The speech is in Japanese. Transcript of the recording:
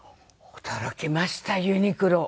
驚きましたユニクロ。